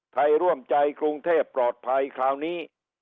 ร่วมใจกรุงเทพปลอดภัยคราวนี้